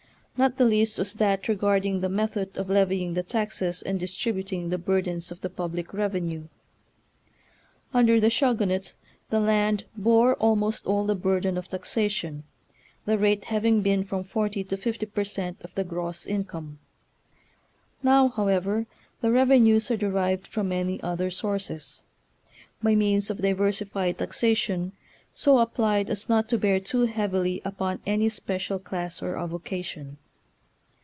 Not the least was that regarding the method of levying the taxes and distributing the burdens of the public revenue. Under the Shogunate the land bore almost all the burden of taxation, the rate having been from forty to fifty per cent, of the gross income. Now, however, the reve nues are derived from many other sources, by means of diversified taxation so ap plied as not to bear too heavily upon any special class or avocation.